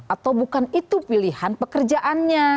atau bukan itu pilihan pekerjaannya